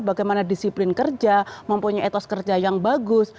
bagaimana disiplin kerja mempunyai etos kerja yang bagus